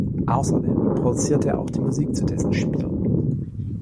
Außerdem produziert er auch die Musik zu dessen Spielen.